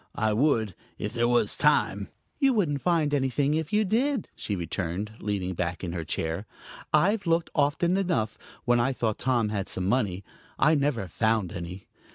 I would, if there was time." "You wouldn't find anything if you did," she returned, leaning back in her chair. "I've looked often enough, when I thought Tom had some money. I never found any.